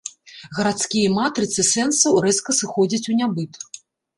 Гарадскія матрыцы сэнсаў рэзка сыходзяць у нябыт.